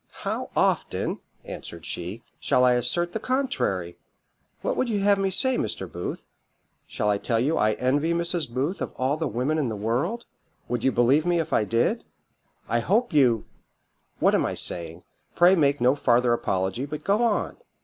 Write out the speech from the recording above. "How often," answered she, "shall I assert the contrary? What would you have me say, Mr. Booth? Shall I tell you I envy Mrs. Booth of all the women in the world? would you believe me if I did? I hope you what am I saying? Pray make no farther apology, but go on."